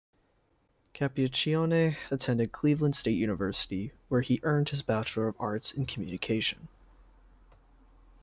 Capiccioni attended Cleveland State University, where he earned his Bachelor of Arts in communications.